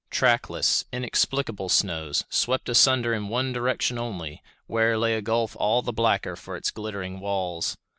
Trackless, inexplicable snows, swept asunder in one direction only, where lay a gulf all the blacker for its glittering walls.